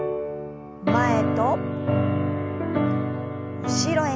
前と後ろへ。